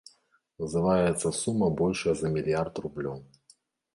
Называецца сума большая за мільярд рублёў.